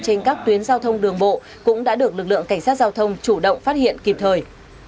trên các tuyến giao thông đường bộ cũng đã được lực lượng cảnh sát giao thông chủ động phát hiện kịp thời